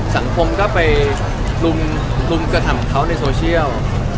สังคมก็ไปลุมกระทำของเขาในโซเชียล